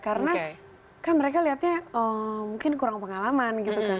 karena kan mereka lihatnya mungkin kurang pengalaman gitu kan